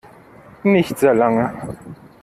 Nicht sehr lange.